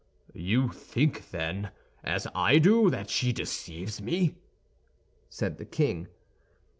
"You think then, as I do, that she deceives me?" said the king.